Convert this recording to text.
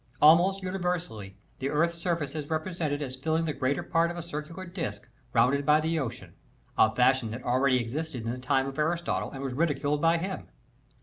Almost universally the earth's surface is re presented as filling the greater part of a circular disk^ rounded by the ocean ; a fashion that already existed in the time of Aristotle and was ridiculed by him.